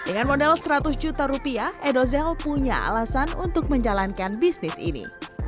dengan modal seratus juta rupiah edozel punya alasan untuk menjalankan bisnis ini